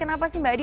kenapa sih mbak adi